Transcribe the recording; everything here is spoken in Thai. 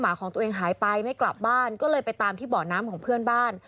หของตัวเองหายไปไม่กลับบ้านก็เลยไปตามที่เบาะน้ำของเพื่อนบ้าน